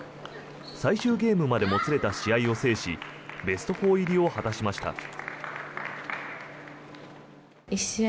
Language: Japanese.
最終ゲームまでもつれた試合を制しベスト４入りを果たしました。